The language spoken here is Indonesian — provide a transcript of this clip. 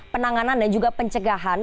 penanganan dan juga pencegahan